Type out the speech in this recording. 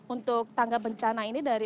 untuk tanggap bencana ini